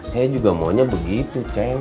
saya juga maunya begitu cang